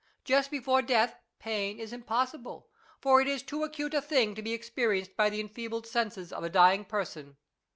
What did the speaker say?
Just before death pain is impossible, for it is too acute a thing to be experienced by the enfeebled senses of a dying person.